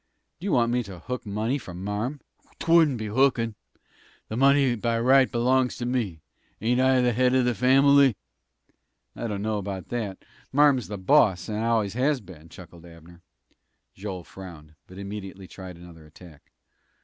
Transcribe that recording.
"Do you want me to hook money from marm?" "'Twon't be hookin'. The money by right belongs to me. Ain't I the head of the family?" "I dunno about that. Marm's the boss, and always has been," chuckled Abner. Joel frowned, but immediately tried another attack.